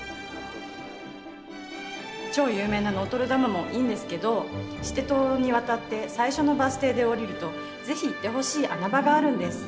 超有名なノートルダムもいいんですけどシテ島に渡って最初のバス停で降りるとぜひ行ってほしい穴場があるんです。